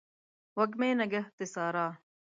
وږمې نګهت د سارا